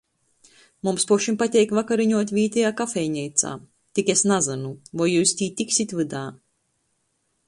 Mums pošim pateik vakariņuot vītejā kafejneicā, tik es nazynu, voi jius tī tiksit vydā.